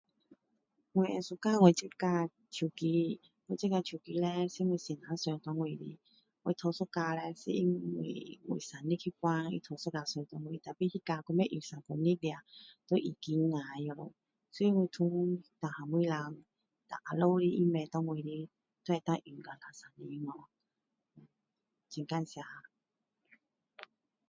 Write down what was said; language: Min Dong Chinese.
我会喜欢我这架手机我这架手机是我先生送给我的我头一架叻是因为我生日那时他送一架给我可是那架都不用三个月 nia 的都已经坏了所以从然后啦然后后面的他买给我的都能够用到两三年很感谢